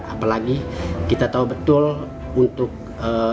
apalagi kita tahu betul untuk